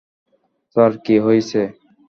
Sir, কী হইছে?